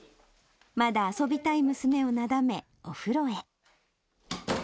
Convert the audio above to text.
まだ遊びたい娘をなだめ、お風呂へ。